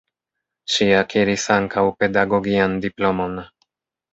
Ŝi akiris ankaŭ pedagogian diplomon.